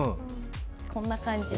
こんな感じで。